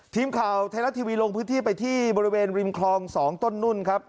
ทีมข่าวไทยรัฐทีวีลงพื้นที่ไปที่บริเวณริมคลอง๒ต้นนุ่นครับ